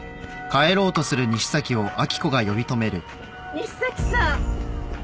西崎さん。